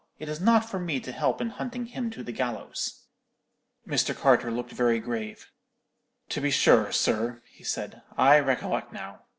It is not for me to help in hunting him to the gallows.' "Mr. Carter looked very grave. "'To be sure, sir,' he said; 'I recollect now.